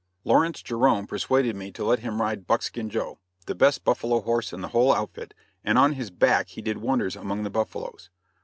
Lawrence Jerome persuaded me to let him ride Buckskin Joe, the best buffalo horse in the whole outfit, and on his back he did wonders among the buffaloes.